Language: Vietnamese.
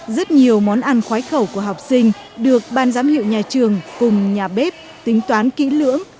rất nhiều món ăn khoái khẩu của học sinh được ban giám hiệu nhà trường cùng nhà bếp tính toán kỹ lưỡng